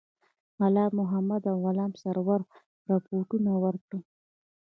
غلام محمدخان او غلام سرور رپوټونه ورکړل.